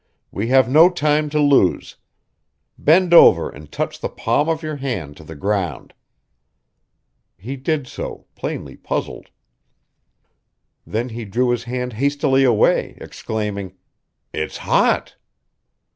We have no time to lose. Bend over and touch the palm of your hand to the ground." He did so, plainly puzzled. Then he drew his hand hastily away, exclaiming: "It's hot!"